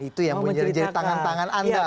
itu yang menjadi tangan tangan anda untuk ke bawah